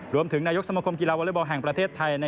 รวมถึงนายกสมมคมกีฬาวอเลอร์บอลแห่งประเทศไทย